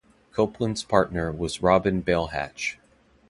Copeland's partner was Robin Bailhache.